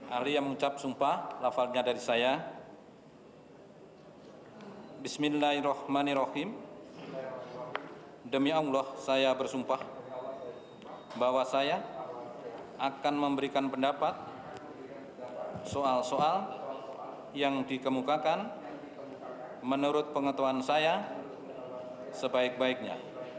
ahli yang mengucap sumpah lafarnya dari saya bismillahirrahmanirrahim demi allah saya bersumpah bahwa saya akan memberikan pendapat soal soal yang dikemukakan menurut pengetahuan saya sebaik baiknya